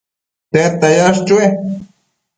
tedta yash chue?